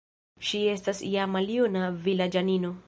Ŝi estas ja maljuna vilaĝanino.